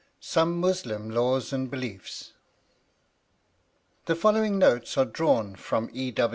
SOME MUSLIM LAWS AND BELIEFS (1876.) The following notes are drawn from E.